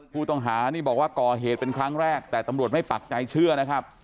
ผู้ต้องหานี่บอกว่าก่อเหตุเป็นครั้งแรกแต่ตำรวจไม่ปักใจเชื่อนะครับ